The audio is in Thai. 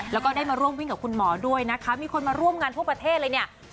แล้วก็ได้มาร่วมวิ่งกับคุณหมอด้วยนะคะมีคนมาร่วมงานทั่วประเทศเลยเนี่ย